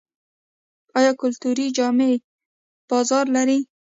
آیا کلتوري جامې بازار لري؟